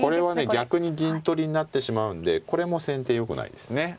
逆に銀取りになってしまうんでこれも先手よくないですね。